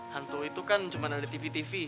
hantu itu kan cuma dari tv tv